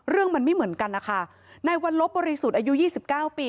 เรื่องมันไม่เหมือนกันนะคะในวันลบบริสุทธิ์อายุ๒๙ปี